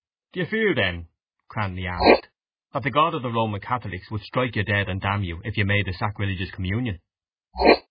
—Do you fear then, Cranly asked, that the God of the Roman catholics would strike you dead and damn you if you made a sacrilegious communion?